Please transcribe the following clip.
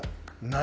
何？